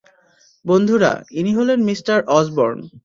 বন্ধুরা, ইনি হলেন মিস্টার অসবর্ন।